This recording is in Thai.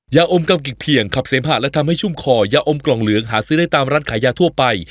ยาอมกำกิกเพียงขับเสมหะและทำให้ชุ่มคอยาอมกล่องเหลืองหาซื้อได้ตามร้านขายยาทั่วไป